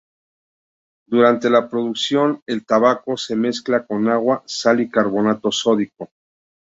Durante la producción, el tabaco se mezcla con agua, sal y carbonato sódico.